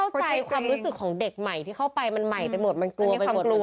เข้าใจความรู้สึกของเด็กใหม่ที่เข้าไปมันใหม่ไปหมดมันกลัวไปหมดกลัว